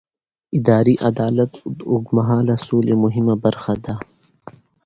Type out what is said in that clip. اداري عدالت د اوږدمهاله سولې مهمه برخه ده